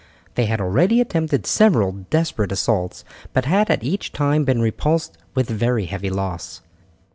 They had already attempted several desperate assaults, but had each time been repulsed with very heavy loss.